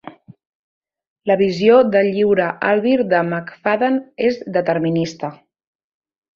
La visió del lliure albir de McFadden és determinista.